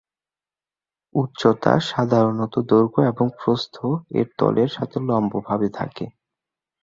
উচ্চতা সাধারণত দৈর্ঘ্য এবং প্রস্থ -এর তলের সাথে লম্বভাবে থাকে।